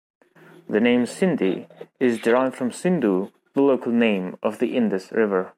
The name "Sindhi" is derived from "Sindhu", the local name of the Indus River.